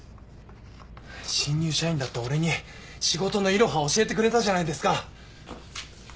新入社員だった俺に仕事のイロハを教えてくれたじゃないですか。